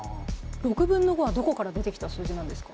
６分の５はどこから出てきた数字なんですか？